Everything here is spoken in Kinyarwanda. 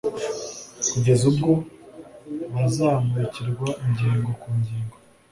kugeza ubwo bazamurikirwa ingingo ku ngingo